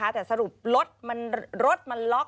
แต่สรุปรถมันล็อก